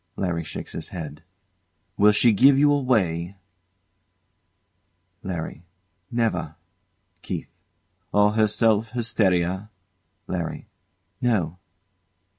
[LARRY shakes his head.] Will she give you away? LARRY. Never. KEITH. Or herself hysteria? LARRY. No.